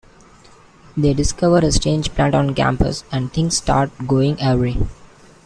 They discover a strange plant on campus and things start going awry.